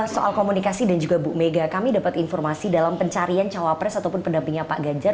soal komunikasi dan juga bu mega kami dapat informasi dalam pencarian cawapres ataupun pendampingnya pak ganjar